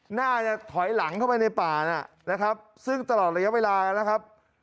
น่าจะถอยหลังเข้าไปในป่าน่ะนะครับซึ่งตลอดระยะเวลานะครับ